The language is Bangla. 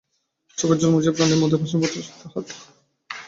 চোখের জল মুছিয়া প্রাণের মধ্যে পাষাণভার বহিয়া সে তাহার দাদার কাছে পড়িয়া রহিল।